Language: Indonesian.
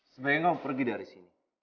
sebaiknya kamu pergi dari sini